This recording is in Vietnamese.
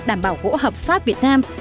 đảm bảo gỗ hợp pháp việt nam